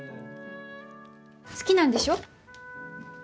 好きなんでしょ？